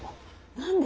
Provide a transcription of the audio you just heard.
何で？